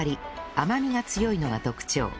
甘みが強いのが特徴